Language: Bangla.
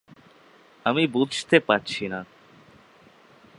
আমি বুঝতে পারছি না।